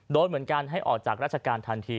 โดนเหมือนกันให้ออกจากราชการทันที